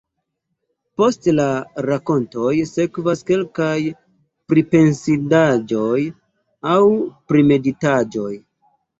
Post la rakontoj sekvas kelkaj pripensindaĵoj aŭ primeditaĵoj.